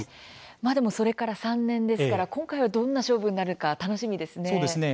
それから３年ですから今回はどんな勝負になるか楽しみですね。